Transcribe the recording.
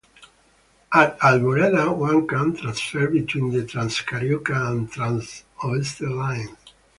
At Alvorada one can transfer between the TransCarioca and TransOeste lines.